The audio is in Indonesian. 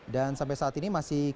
dan sampai saat ini masih kita